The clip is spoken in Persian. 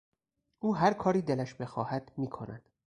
او هر کاری دلش بخواهد میکند.